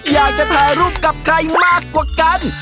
อยากจะถ่ายรูปกับใครมากกว่ากัน